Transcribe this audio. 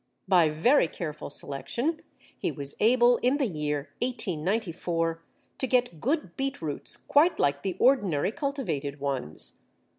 By very careful selection he was able in the year 1894 to get good beetroots quite like the ordinary cultivated ones.